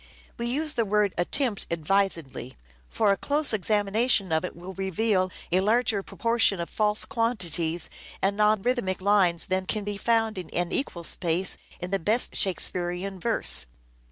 We use the word " attempt " advisedly ; for a close examination of it will reveal a larger proportion of false quantities and 5o8 "SHAKESPEARE" IDENTIFIED non rhythmic lines than can be found in an equal space in the best Shakespearean verse.